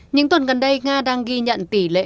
những tuần gần đây nga đang ghi nhận tỷ lệ